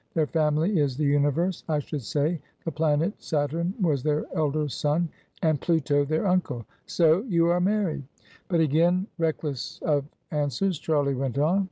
Their family is the universe: I should say the planet Saturn was their elder son; and Plato their uncle. So you are married?" But again, reckless of answers, Charlie went on.